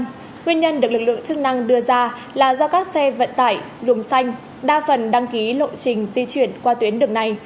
nguyên nhân được lực lượng chức năng đưa ra là do các xe vận tải luồng xanh đa phần đăng ký lộ trình di chuyển qua tuyến đường này